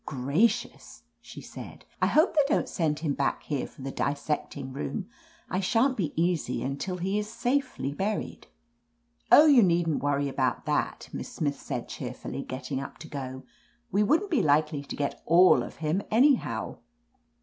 "Gracious!" she said, "I hope they don't send him back here for the dis secting room. I shan't be easy until he is safely buried." "OK, you needrft won^^ about lEai^" Miss Smith said cheerfully, getting up to go. "We wouldn't be likely to get all of him anyhow."